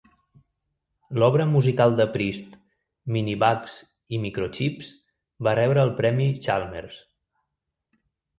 L'obra musical de Priest "Minibugs i Microchips" va rebre el premi Chalmers.